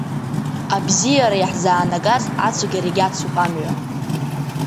Абзиара иаҳзаанагаз ацәгьарагьы ацуп амҩа.